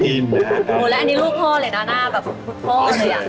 เห็นมาแล้วอันนี้ลูกพ่อเลยนะหน้ากลับพ่อเลยอะ